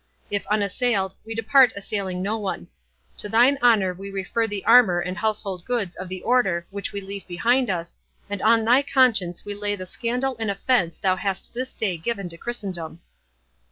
If unassailed, we depart assailing no one. To thine honour we refer the armour and household goods of the Order which we leave behind us, and on thy conscience we lay the scandal and offence thou hast this day given to Christendom."